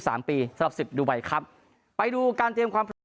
สำหรับสิทธิ์ดูไปครับไปดูการเตรียมความพลัง